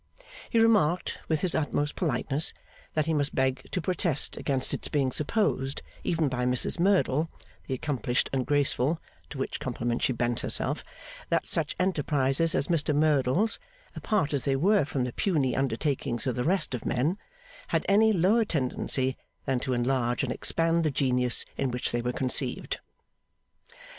He remarked with his utmost politeness, that he must beg to protest against its being supposed, even by Mrs Merdle, the accomplished and graceful (to which compliment she bent herself), that such enterprises as Mr Merdle's, apart as they were from the puny undertakings of the rest of men, had any lower tendency than to enlarge and expand the genius in which they were conceived.